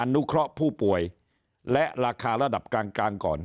นุเคราะห์ผู้ป่วยและราคาระดับกลางก่อน